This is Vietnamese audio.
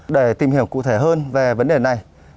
để tìm hiểu cụ thể hơn về vấn đề này